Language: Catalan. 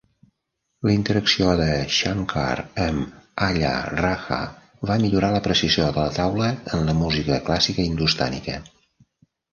La interacció de Shankar amb Alla Rakha va millorar l'apreciació de la "taula" en la música clàssica hindustànica.